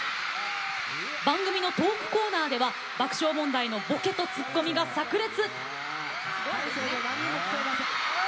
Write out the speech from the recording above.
番組のトークコーナーでは爆笑問題のボケとツッコミがさく裂。